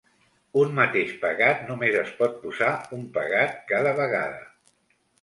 Un mateix pegat només es pot posar un pegat cada vegada.